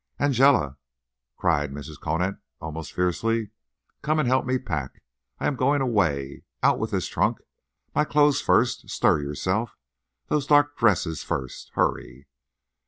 "Angela," cried Mrs. Conant, almost fiercely, "come and help me pack. I am going away. Out with this trunk. My clothes first. Stir yourself. Those dark dresses first. Hurry."